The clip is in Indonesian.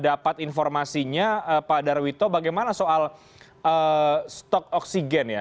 dapat informasinya pak darwito bagaimana soal stok oksigen ya